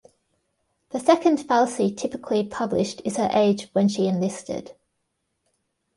The second fallacy typically published is her age when she enlisted.